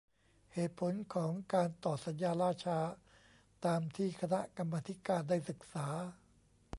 เหตุผลของการต่อสัญญาล่าช้า ตามที่คณะกรรมาธิการได้ศึกษา